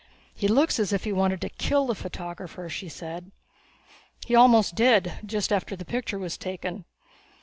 "He looks as if he wanted to kill the photographer," she said. "He almost did just after the picture was taken.